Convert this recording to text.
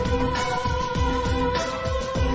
โอ้โอ้โอ้โอ้